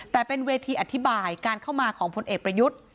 แต่เป็นเวทีอธิบายการเข้ามาของพลเอกประยุทธ์